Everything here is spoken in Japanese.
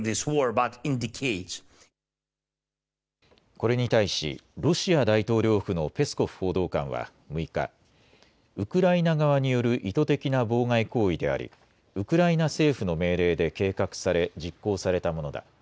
これに対しロシア大統領府のペスコフ報道官は６日、ウクライナ側による意図的な妨害行為でありウクライナ政府の命令で計画され実行されたものだ。